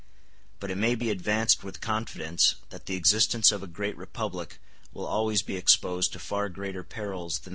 But it may be advanced with confidence that the existence of a great republic will always be exposed to far greater perils than that of a small one.